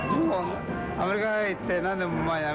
アメリカへ行って、何年も前にア